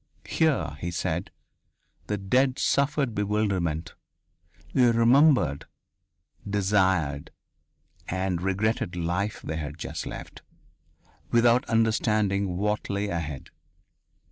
Here, he said, the dead suffered bewilderment; they remembered, desired, and regretted the life they had just left, without understanding what lay ahead.